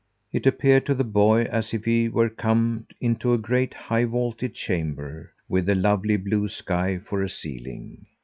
It appeared to the boy as if he were coming into a great, high vaulted chamber, with the lovely blue sky for a ceiling.